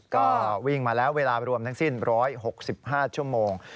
ก็วิ่งมาแล้วเวลารวมทั้งสิ้น๑๖๕ชั่วโมง